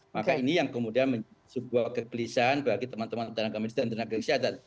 maka ini yang kemudian menjadi sebuah kegelisahan bagi teman teman tenaga medis dan tenaga kesehatan